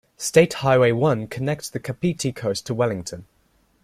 State Highway One connects the Kapiti Coast to Wellington.